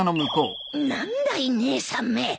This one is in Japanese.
何だい姉さんめ。